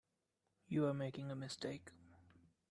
You are making a mistake.